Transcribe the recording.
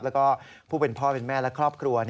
แล้วก็ผู้เป็นพ่อเป็นแม่และครอบครัว